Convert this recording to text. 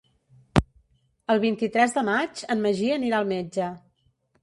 El vint-i-tres de maig en Magí anirà al metge.